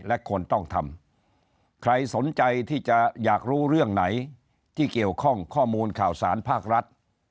และควรต้องทำใครสนใจที่จะอยากรู้เรื่องไหนที่เกี่ยวข้องข้อมูลข่าวสารภาครัฐ